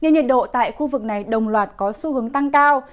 nhiệt độ tại khu vực này đồng loạt có xu hướng tăng cao